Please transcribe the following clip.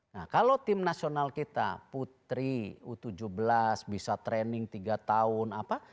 nah kalau tim nasional kita putri u tujuh belas bisa training tiga tahun apa